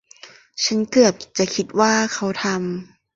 ฉันเกือบจะคิดว่าเขาทำ